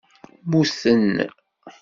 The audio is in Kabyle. Muten